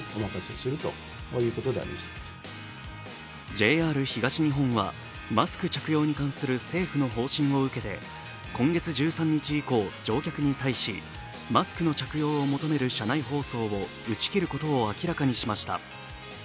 ＪＲ東日本はマスク着用に関する政府の方針を受けて今月１３日以降、乗客に対しマスクの着用を求める車内放送を打ち切ることを明らかにしました。